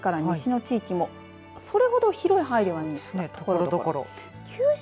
また東海から西の地域もそれほど広い範囲ではないですがところどころ。